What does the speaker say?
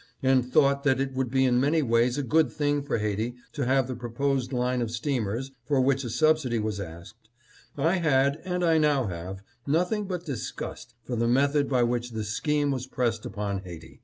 and thought that it would be in many ways a good thing for Haiti to have the proposed line of steamers for which a subsidy was asked, I had, and I now have, nothing but disgust for the method by which this scheme was pressed upon Haiti.